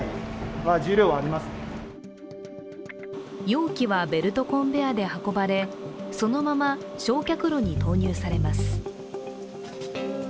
容器はベルトコンベアで運ばれそのまま焼却炉に投入されます。